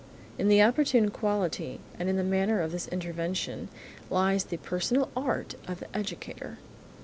In the opportune quality and in the manner of this intervention lies the personal art of the educator.